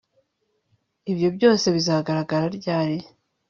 ibyo byose bizahagarara ryari